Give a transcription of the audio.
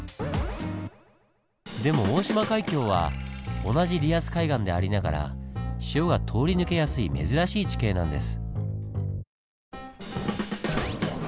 でも大島海峡は同じリアス海岸でありながら潮が通り抜けやすい珍しい地形なんです。